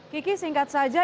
kiki singkat saja